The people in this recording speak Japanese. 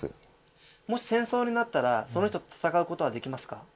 もし戦争になったらその人と戦うことはできますか？